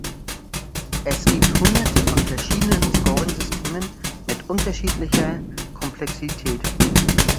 Es gibt hunderte von verschiedenen Scoring-Systemen mit unterschiedlicher Komplexität.